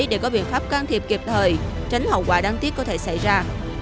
để có biện pháp can thiệp kịp thời tránh hậu quả đáng tiếc có thể xảy ra